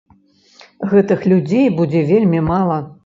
Гэтых людзей будзе вельмі мала.